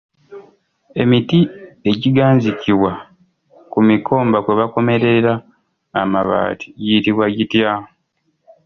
Emiti egiganzikibwa ku mikomba kwe bakomerera amabaati giyitibwa gitya?